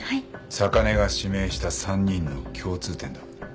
坂根が指名した３人の共通点だ。